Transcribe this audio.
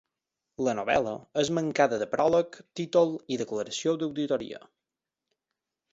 La novel·la és mancada de pròleg, títol i declaració d’autoria.